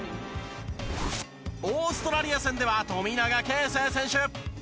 オーストラリア戦では富永啓生選手。